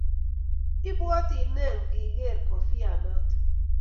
Ibwati nee ngigeer kofianata